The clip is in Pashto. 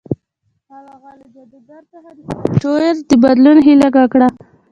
هغه له جادوګر څخه د سافټویر د بدلولو هیله وکړه